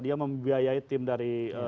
dia membiayai tim dari